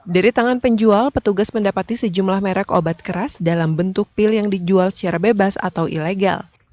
dari tangan penjual petugas mendapati sejumlah merek obat keras dalam bentuk pil yang dijual secara bebas atau ilegal